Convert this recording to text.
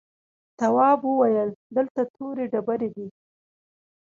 تواب وويل: دلته تورې ډبرې دي.